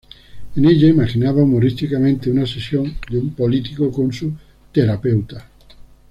En ella imaginaba humorísticamente una sesión de un político con su terapeuta.